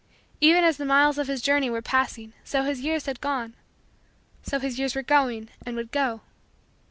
Even as the miles of his journey were passing so his years had gone so his years were going and would go.